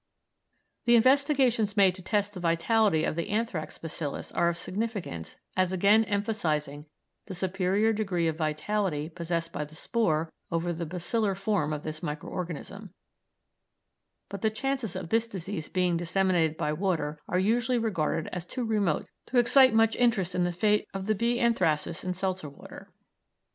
The investigations made to test the vitality of the anthrax bacillus are of significance as again emphasising the superior degree of vitality possessed by the spore over the bacillar form of this micro organism, but the chances of this disease being disseminated by water are usually regarded as too remote to excite much interest in the fate of the b. anthracis in seltzer water.